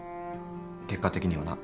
結果的にはな。